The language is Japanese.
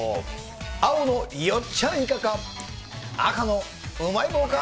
青のよっちゃんいかか、赤のうまい棒か。